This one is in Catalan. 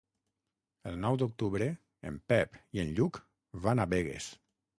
El nou d'octubre en Pep i en Lluc van a Begues.